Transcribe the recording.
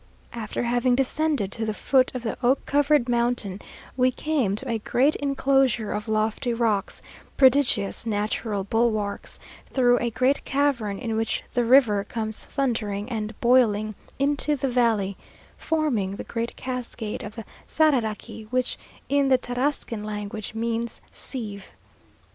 After having descended to the foot of the oak covered mountain, we came to a great enclosure of lofty rocks, prodigious natural bulwarks, through a great cavern in which the river comes thundering and boiling into the valley, forming the great cascade of the Sararaqui, which in the Tarrascan language means sieve.